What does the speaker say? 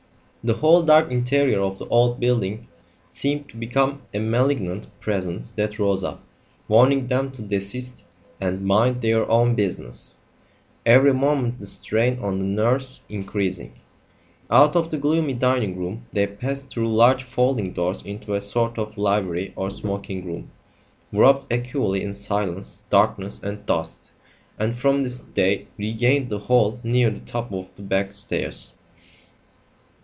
The whole dark interior of the old building seemed to become a malignant Presence that rose up, warning them to desist and mind their own business; every moment the strain on the nerves increased. Out of the gloomy dining room they passed through large folding doors into a sort of library or smoking room, wrapt equally in silence, darkness, and dust; and from this they regained the hall near the top of the back stairs.